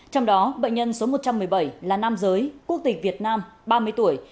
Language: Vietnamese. trong đó bệnh nhân số một trăm một mươi bảy là nam giới quốc tịch việt nam ba mươi tuổi